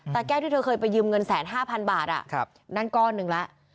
ตาแก้วที่เธอเคยไปยืมเงิน๑๐๕๐๐๐บาทนั่นก้อนหนึ่งแล้ว